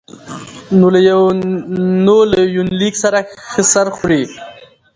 نو له يونليک سره ښه سر خوري